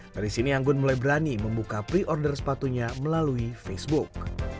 dari sini anggun mulai berani membuka pre order sepatunya melalui facebook